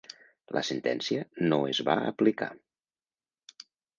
La sentència no es va aplicar.